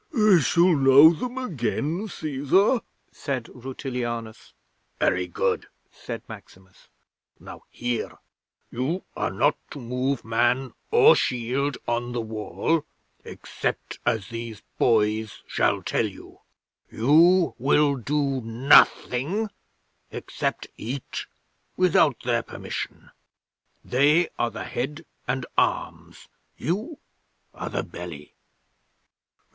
'"I shall know them again, Cæsar," said Rutilianus. "Very good," said Maximus. "Now hear! You are not to move man or shield on the Wall except as these boys shall tell you. You will do nothing, except eat, without their permission. They are the head and arms. You are the belly!"